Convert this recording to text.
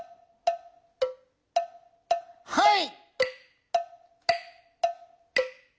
はい。